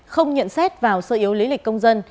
không nhận xét vào sơ yếu lý lịch công dân